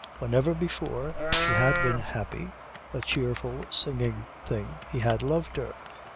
Whenever before she had been happy, a cheerful singing thing, he had loved her.